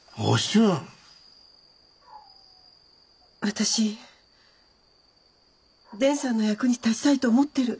私伝さんの役に立ちたいと思ってる。